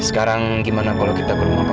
sekarang gimana kalau kita ke rumah pak